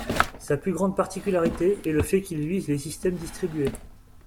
Sa plus grande particularité est le fait qu'il vise les systèmes distribués.